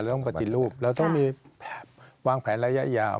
เราต้องมีวางแผนระยะยาว